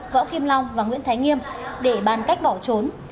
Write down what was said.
võ kim long và nguyễn thái nghiêm để bàn cách bỏ trốn